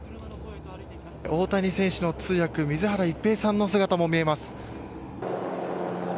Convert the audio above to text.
大谷選手の通訳水原一平さんの姿も見えます。